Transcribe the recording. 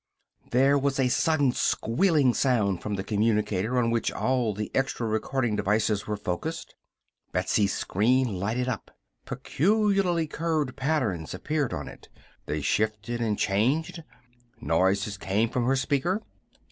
There was a sudden squealing sound from the communicator on which all the extra recording devices were focussed. Betsy's screen lighted up. Peculiarly curved patterns appeared on it. They shifted and changed. Noises came from her speaker.